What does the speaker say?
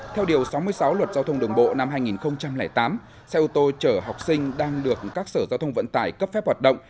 theo điều sáu mươi sáu luật giao thông đường bộ năm hai nghìn tám xe ô tô chở học sinh đang được các sở giao thông vận tải cấp phép hoạt động